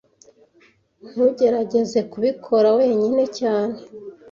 Ntugerageze kubikora wenyine cyane